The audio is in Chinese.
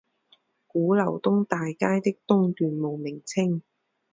鼓楼东大街的东段无名称。